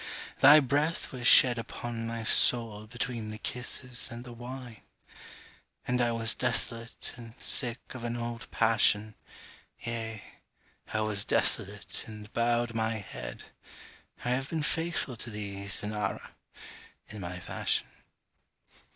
thy breath was shed Upon my soul between the kisses and the wine; And I was desolate and sick of an old passion, Yea, I was desolate and bowed my head: I have been faithful to thee, Cynara! in my fashion.